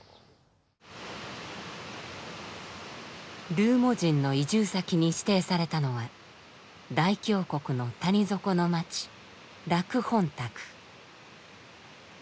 ルーモ人の移住先に指定されたのは大峡谷の谷底の町洛本卓。